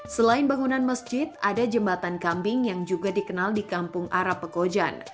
selain bangunan masjid ada jembatan kambing yang juga dikenal di kampung arab pekojan